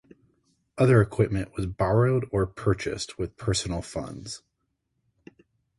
Other equipment was borrowed or purchased with personal funds.